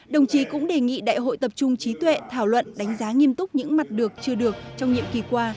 đồng chí cũng đề nghị đại hội tập trung trí tuệ thảo luận đánh giá nghiêm túc những mặt được chưa được trong nhiệm kỳ qua